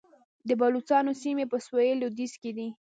د بلوڅانو سیمې په سویل لویدیځ کې دي